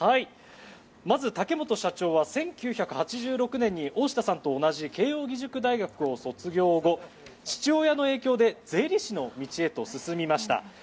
まず、竹本社長は１９８６年に大下さんと同じ慶応義塾大学を卒業後父親の影響で税理士の道へと進みました。